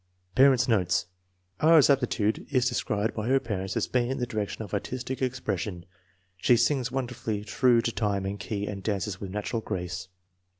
Parents 9 notes. R/s aptitude is described by her parents as being in the direction of artistic expression. "She sings wonderfully true to time and key and dances with natural grace.